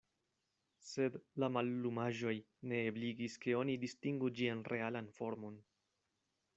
Sed la mallumaĵoj ne ebligis, ke oni distingu ĝian realan formon.